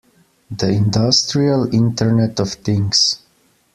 The industrial internet of things.